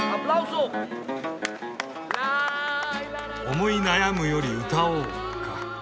「思い悩むより歌おう」か。